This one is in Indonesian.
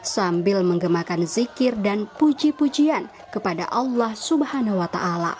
sambil menggemakan zikir dan puji pujian kepada allah swt